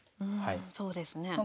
そうですね。